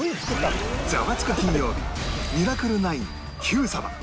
『ザワつく！金曜日』『ミラクル９』『Ｑ さま！！』